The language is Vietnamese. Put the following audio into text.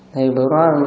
thì bữa đó